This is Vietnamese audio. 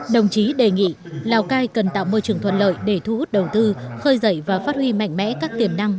đồng chí đề nghị lào cai cần tạo môi trường thuận lợi để thu hút đầu tư khơi dậy và phát huy mạnh mẽ các tiềm năng